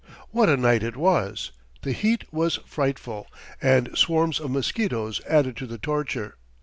What a night it was! The heat was frightful, and swarms of mosquitoes added to the torture.